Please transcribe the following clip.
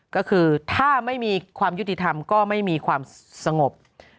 ก็คือถ้าไม่มีความยุติธรรมก็ไม่มีความสงบ